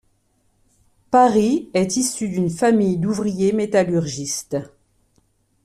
Parry est issu d'une famille d'ouvriers métallurgistes.